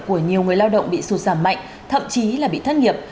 của nhiều người lao động bị sụt giảm mạnh thậm chí là bị thất nghiệp